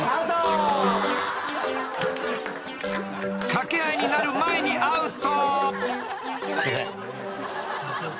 ［掛け合いになる前にアウト］